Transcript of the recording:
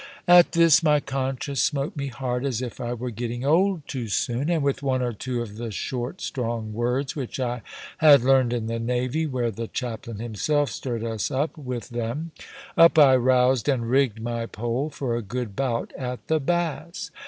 At this my conscience smote me hard, as if I were getting old too soon; and with one or two of the short strong words which I had learned in the navy, where the chaplain himself stirred us up with them, up I roused and rigged my pole for a good bout at the bass.